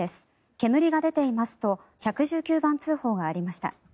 煙が出ていますと１１９番通報がありました。